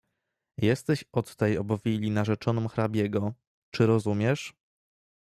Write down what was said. "Jesteś od tej obwili narzeczoną hrabiego, czy rozumiesz?"